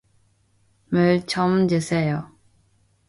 물 좀 주세요.